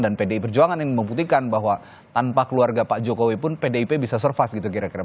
dan pdi perjuangan ini membutuhkan bahwa tanpa keluarga pak jokowi pun pdip bisa survive gitu kira kira